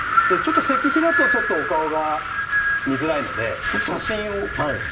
石碑だとちょっとお顔が見づらいので写真を。